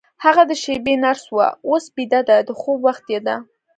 هغه د شپې نرس وه، اوس بیده ده، د خوب وخت یې دی.